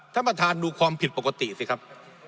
ท่านประธานดูความผิดปกติสิครับ